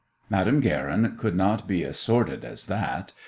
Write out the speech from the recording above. Madame Guerin could not be as sordid as that.